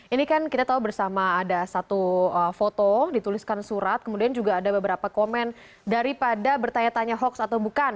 ini kan kita tahu bersama ada satu foto dituliskan surat kemudian juga ada beberapa komen daripada bertanya tanya hoax atau bukan